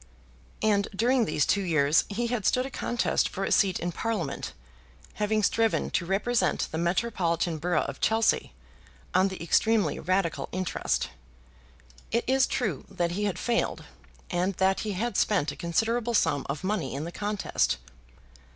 And during these two years he had stood a contest for a seat in Parliament, having striven to represent the metropolitan borough of Chelsea, on the extremely Radical interest. It is true that he had failed, and that he had spent a considerable sum of money in the contest.